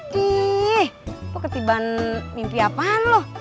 waduh kok ketibaan mimpi apaan lo